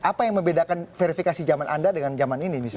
apa yang membedakan verifikasi zaman anda dengan zaman ini